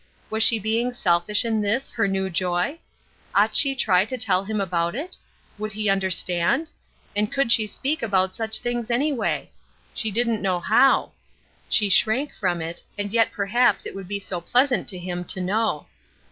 Was she being selfish in this, her new joy? Ought she to try to tell him about it? Would he understand? and could she speak about such things, anyway? She didn't know how. She shrank from it, and yet perhaps it would be so pleasant to him to know.